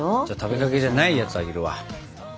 じゃあ食べかけじゃないやつあげるわ。